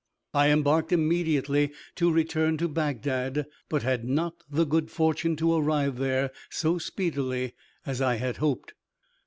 I embarked immediately to return to Bagdad, but had not the good fortune to arrive there so speedily as I had hoped.